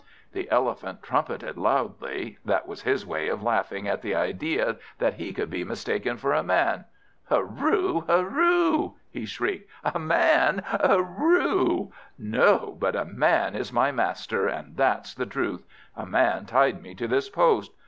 The Elephant trumpeted loudly. That was his way of laughing at the idea that he could be mistaken for a Man. "Hooroo! hooroo!" he shrieked. "A Man! Hooroo! No, but a Man is my master, and that's the truth. A Man tied me to this post.